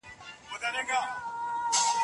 جنګي مهارتونه باید زده کړل سي.